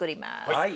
はい。